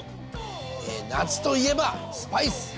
夏といえばスパイス！